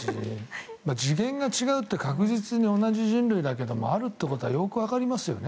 次元が違うって確実に同じ人類だけどあるってことはよくわかりますよね。